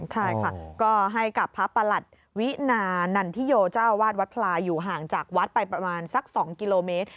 ใช่ค่ะก็ให้กับพระประหลัดวินานันทิโยเจ้าวาดวัดพลายอยู่ห่างจากวัดไปประมาณสัก๒กิโลเมตร